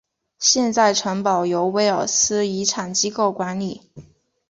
现在城堡由威尔斯遗产机构管理。